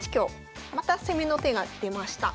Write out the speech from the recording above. また攻めの手が出ました。